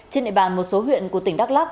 trên địa bàn một số huyện của tỉnh đắk lắc